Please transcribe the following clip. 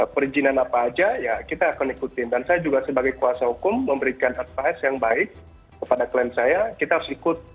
perizinan apa aja ya kita akan ikutin dan saya juga sebagai kuasa hukum memberikan advice yang baik kepada klien saya kita harus ikut